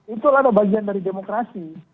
itulah ada bagian dari demokrasi